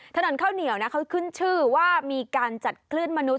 ถนนข้าวเหนียวนะเขาขึ้นชื่อว่ามีการจัดคลื่นมนุษ